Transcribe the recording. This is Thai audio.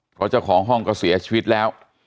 เพราะเจ้าของห้องก็เสียชีวิตแล้ว